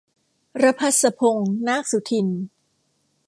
รภัสพงษ์ นาคสุทิน